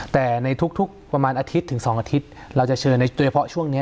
แต่ในทุกประมาณอาทิตย์ถึง๒อาทิตย์เราจะเชิญโดยเฉพาะช่วงนี้